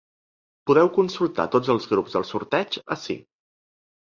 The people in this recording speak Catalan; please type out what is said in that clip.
Podeu consultar tots els grups del sorteig ací.